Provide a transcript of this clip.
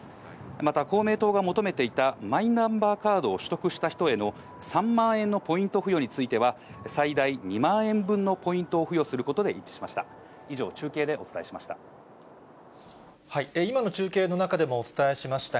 また、公明党が求めていたマイナンバーカードを取得した人への３万円のポイント付与については、最大２万円分のポイントを付与することで一致しました。